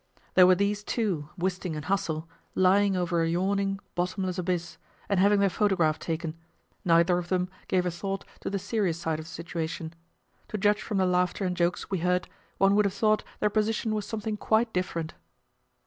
There were these two Wisting and Hassel lying over a yawning, bottomless abyss, and having their photograph taken; neither of them gave a thought to the serious side of the situation. To judge from the laughter and jokes we heard, one would have thought their position was something quite different.